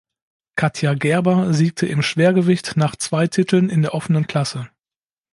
Katja Gerber siegte im Schwergewicht nach zwei Titeln in der offenen Klasse.